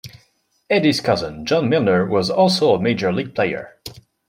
Eddie's cousin, John Milner, was also a major league player.